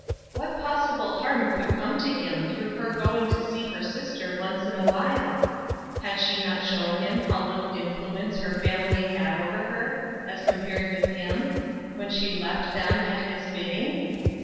What possible harm could come to him through her going to see her sister once in awhile ? Had she not shown him how little influence her family had over her, as compared with him, when she left them at his bidding